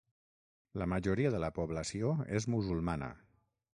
La majoria de la població és musulmana.